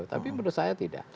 tapi menurut saya tidak